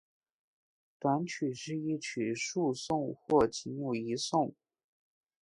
短曲是一曲数颂或仅有一颂。